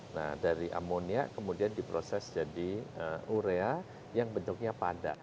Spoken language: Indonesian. nah dari amonia kemudian diproses jadi urea yang bentuknya padat